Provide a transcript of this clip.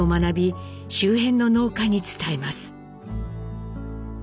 周辺の農家に伝えます。